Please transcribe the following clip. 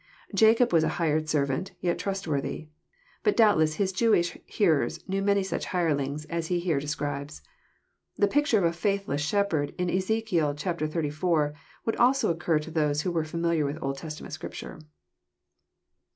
Jacob was a hired shepherd, yet trustworthy. But doubtless His Jewish hearers knew many such hirelings " as he here describes. The picture of a faithless shepherd in Ezekiel xxxiv. would also occur to those who were familiar with Old Testament Scripture.